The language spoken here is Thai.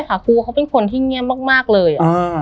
ครูเขาเป็นคนที่เงียบมากเลย